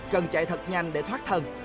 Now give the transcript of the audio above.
cần chạy thật nhanh để thoát thân